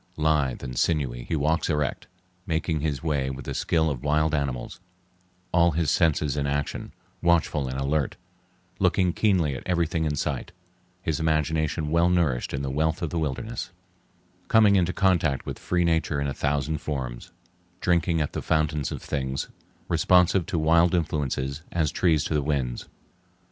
Lithe and sinewy, he walks erect, making his way with the skill of wild animals, all his senses in action, watchful and alert, looking keenly at everything in sight, his imagination well nourished in the wealth of the wilderness, coming into contact with free nature in a thousand forms, drinking at the fountains of things, responsive to wild influences, as trees to the winds.